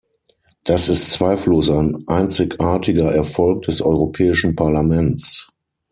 Das ist zweifellos ein einzigartiger Erfolg des Europäischen Parlaments.